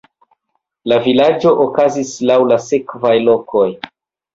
La vojaĝo okazis laŭ la sekvaj lokoj.